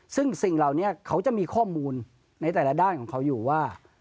ซึ่งสิ่งเหล่านี้เขาจะมีข้อมูลในแต่ละด้านของเขาอยู่ว่า